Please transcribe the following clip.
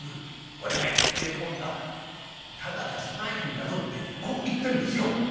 『俺が行くってえと今度はただじゃ済まないんだぞ』ってこう言ってんですよ」。